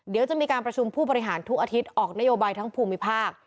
เดี๋ยวจะมีการประชุมผู้บริหารทุกอาทิตย์ออกนโยบายทั้งภูมิภาค